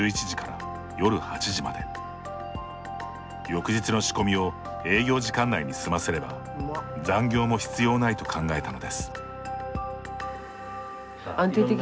翌日の仕込みを営業時間内に済ませれば残業も必要ないと考えたのです。